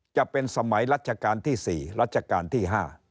จะเป็นสมัยรัชกาลที่๔รัชกาลที่๕